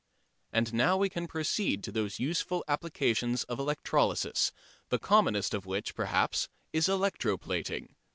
And now we can proceed to those useful applications of electrolysis, the commonest of which, perhaps, is electro plating.